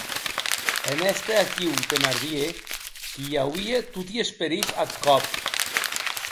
En èster aquiu Thenardier, que i auie toti es perilhs ath còp.